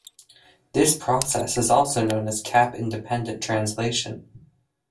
This process is also known as cap-independent translation.